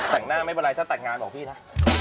แต่งหน้าไม่เป็นไรถ้าแต่งงานของพี่นะ